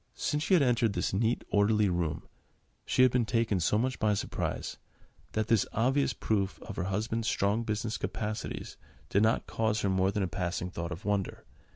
Since she had entered this neat, orderly room, she had been taken so much by surprise, that this obvious proof of her husband's strong business capacities did not cause her more than a passing thought of wonder.